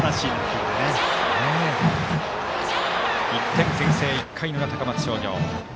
１点先制１回の裏、高松商業。